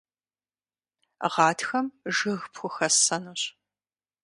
Гъатхэм жыг пхухэссэнущ.